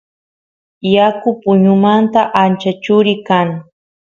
yaku puñumanta ancha churi kan